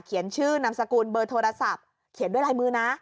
ชื่อนามสกุลเบอร์โทรศัพท์เขียนด้วยลายมือนะ